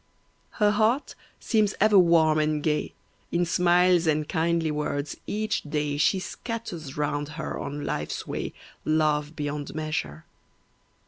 Her heart seems ever warm and gay, In smiles and kindly words, each day, She scatters round her on life's way Love beyond measure.